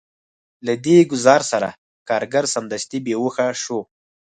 له دې ګزار سره کارګر سمدستي بې هوښه شو